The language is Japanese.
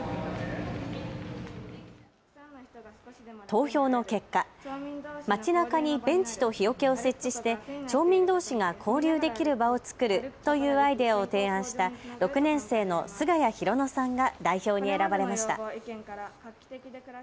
投票の結果、町なかにベンチと日よけを設置して町民どうしが交流できる場を作るというアイデアを提案した６年生の菅谷啓乃さんが代表に選ばれました。